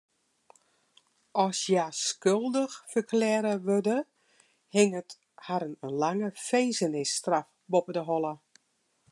As hja skuldich ferklearre wurde, hinget harren in lange finzenisstraf boppe de holle.